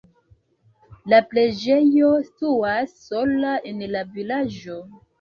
La preĝejo situas sola en la vilaĝo.